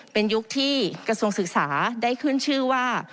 เป็นยุคที่กระทรวงศึกษาได้ขึ้นชื่อว่า